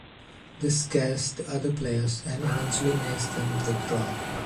This scares the other players and eventually makes them withdraw.